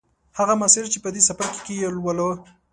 هغه مسایل چې په دې څپرکي کې یې لولو